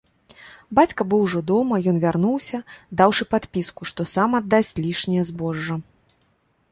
Бацька быў ужо дома, ён вярнуўся, даўшы падпіску, што сам аддасць лішняе збожжа.